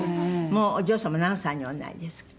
もうお嬢様何歳におなりですか？